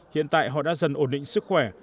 hiện tại họ đã dần ổn định sức khỏe